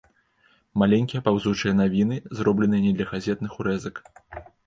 Маленькія, паўзучыя навіны, зробленыя не для газетных урэзак.